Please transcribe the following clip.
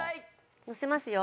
乗せますよ。